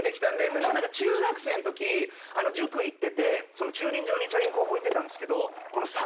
例えば中学生のとき塾行ってて駐輪場にチャリンコを置いてたんですけど。